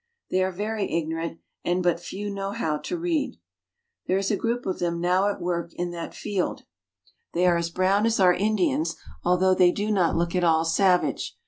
They are very ignorant, and but few know how to read. There is a group of them now at work in that field. 56 PERU. They are as brown as our Indians, although they do not look at all savage.